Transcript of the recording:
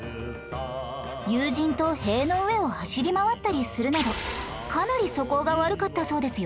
友人と塀の上を走り回ったりするなどかなり素行が悪かったそうですよ